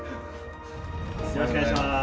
よろしくお願いします。